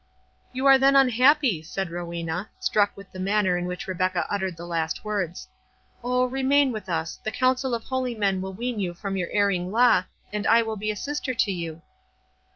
"You are then unhappy!" said Rowena, struck with the manner in which Rebecca uttered the last words. "O, remain with us—the counsel of holy men will wean you from your erring law, and I will be a sister to you."